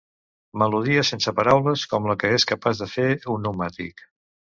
Melodia sense paraules com la que és capaç de fer un pneumàtic.